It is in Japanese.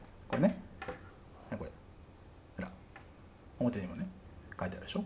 表にもねかいてあるでしょ。